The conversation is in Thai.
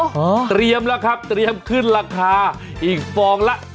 เตรียมแล้วครับเตรียมขึ้นราคาอีกฟองละ